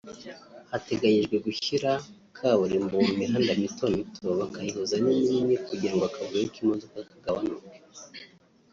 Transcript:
Hateganyijwe gushyira kaburimbo mu mihanda mito mito bakayihuza n’iminini kugira ngo akavuyo k’imodoka kagabanuke